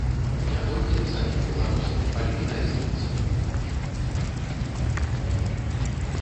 Не толькі на саміх беларусаў, але і на эстонцаў.